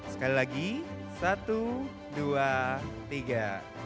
sekali lagi satu dua tiga